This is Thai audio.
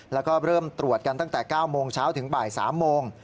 แล้วก็เริ่มตรวจกันตั้งแต่๙โมงเช้าถึงบ่าย๓โมง